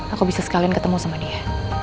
aku bisa sekalian ketemu sama dia